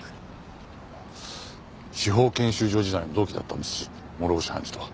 司法研修所時代の同期だったんです諸星判事とは。